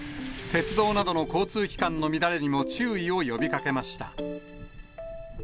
鉄道などの交通機関の乱れにも注意を呼びかけました。